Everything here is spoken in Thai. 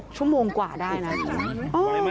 ชั่วโมงกว่าได้นะ